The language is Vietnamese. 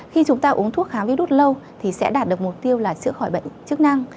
khi chúng ta uống thuốc kháng virus lâu thì sẽ đạt được mục tiêu là chữa khỏi bệnh